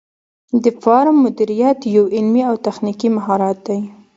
د فارم مدیریت یو علمي او تخنیکي مهارت دی.